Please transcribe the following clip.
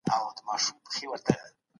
په هغه وخت کې هر ښار د خپلواک دولت په څېر و.